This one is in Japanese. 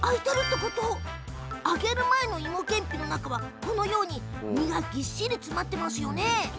揚げる前のいもけんぴの中はこのように身が、ぎっしり詰まっていますよね。